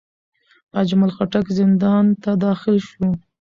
اجمل خټک زندان ته داخل شو.